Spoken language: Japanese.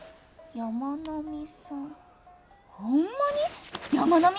山南さんが？